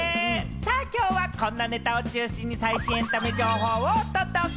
きょうはこんなネタを中心に最新エンタメ情報をお届け。